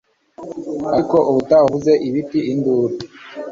Ariko ubutaha uzumva 'Ibiti!' induru